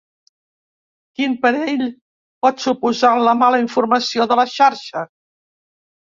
Quin perill pot suposar la mala informació de la xarxa?